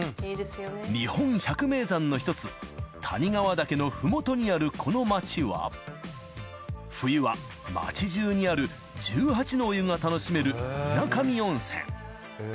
日本百名山の一つ谷川岳のふもとにあるこの町は冬は町中にある１８のお湯が楽しめる水上温泉